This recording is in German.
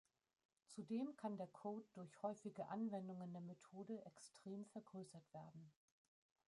Zudem kann der Code durch häufige Anwendungen der Methode extrem vergrößert werden.